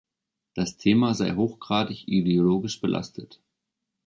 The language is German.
Das Thema sei hochgradig ideologisch belastet.